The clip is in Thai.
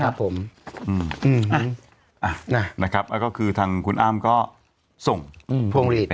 ครับผมอ่าอ่านะครับแล้วก็คือทางคุณอ้ามก็ส่งอืมโพงลีด